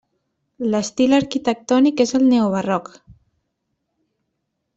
L'estil arquitectònic és el neobarroc.